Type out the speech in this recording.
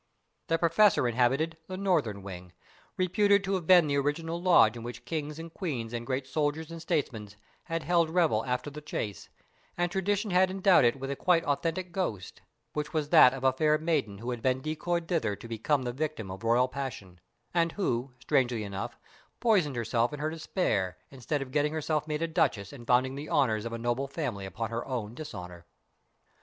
The Professor inhabited the northern wing, reputed to have been the original lodge in which kings and queens and great soldiers and statesmen had held revel after the chase, and tradition had endowed it with a quite authentic ghost: which was that of a fair maiden who had been decoyed thither to become the victim of royal passion, and who, strangely enough, poisoned herself in her despair, instead of getting herself made a duchess and founding the honours of a noble family on her own dishonour.